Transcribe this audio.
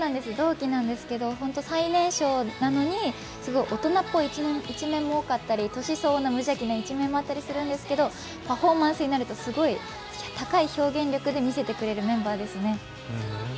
同期なんですけど、最年少なのにすごい大人っぽい一面も多かったり、年相応な無邪気な一面もあったりするんですけどパフォーマンスになるとすごい高い表現力で見せてくれるメンバーですね。